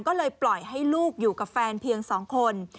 ก็เลยปล่อยให้ลูกอยู่กับแฟนเพียง๒คน